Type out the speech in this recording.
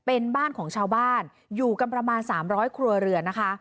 เป็นบ้านของชาวบ้านอยู่กันประมาณ๓๐๐ครัวเรือนนะคะ